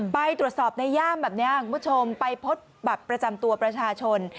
ไปตรวจสอบในย่ามประจำตัวประชาชน